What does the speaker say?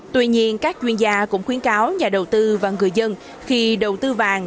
tuy nhiên các chuyên gia cũng khuyến cáo nhà đầu tư và người dân khi đầu tư vàng